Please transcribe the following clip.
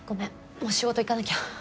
もう仕事行かなきゃ。